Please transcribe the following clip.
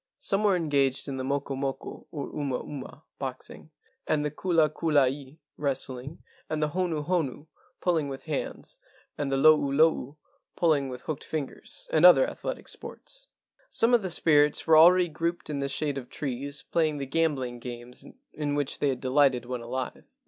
Some were engaged in the mokomoko, or umauma (boxing), and the kulakulai (wrestling), and the honuhonu (pulling with hands), and the loulou (pulling with hooked fingers), and other athletic sports. Some of the spirits were already grouped in the shade of trees, playing the gambling games in which they had delighted when alive.